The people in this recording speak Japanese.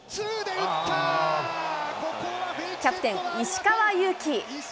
キャプテン、石川祐希。